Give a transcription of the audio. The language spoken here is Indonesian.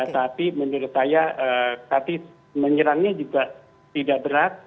tapi menurut saya tapi menyerangnya juga tidak berat